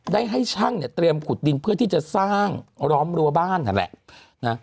ได้ให้ช่างเนี่ยเตรียมขุดดินเพื่อที่จะสร้างร้อมรั้วบ้านนั่นแหละนะ